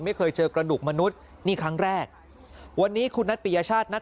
ไม่เคยเจอกระดูกมนุษย์นี่ครั้งแรกวันนี้คุณนัทปิยชาตินัก